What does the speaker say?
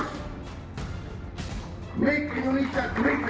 make indonesia great again